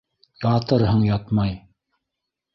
Ятырһың - ятмай!